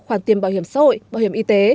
khoản tiền bảo hiểm xã hội bảo hiểm y tế